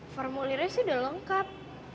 formulirnya sih udah lengkap